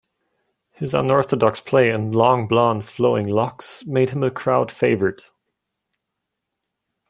His unorthodox play and long blonde flowing locks made him a crowd favourite.